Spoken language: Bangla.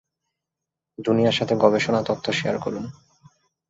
দুনিয়ার সাথে গবেষণা তথ্য শেয়ার করুন।